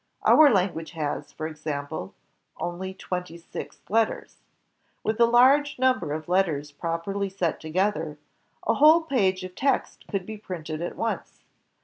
Our language has, for example, only twenty six letters. With a large number of letters properly set together, a whole page of text could be printed at once.